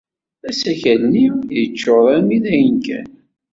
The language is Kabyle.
Asakal-nni yeččuṛ armi d ayen kan.